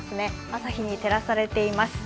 朝日に照らされています。